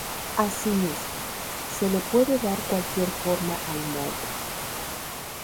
Asimismo, se le puede dar cualquier forma al molde.